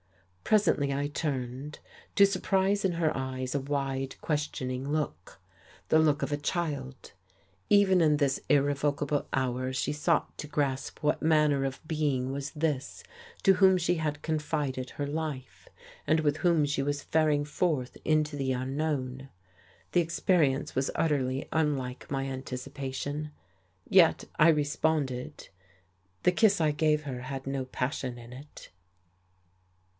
Presently I turned, to surprise in her eyes a wide, questioning look, the look of a child. Even in this irrevocable hour she sought to grasp what manner of being was this to whom she had confided her life, and with whom she was faring forth into the unknown. The experience was utterly unlike my anticipation. Yet I responded. The kiss I gave her had no passion in it.